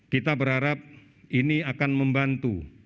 kita berharap ini akan membantu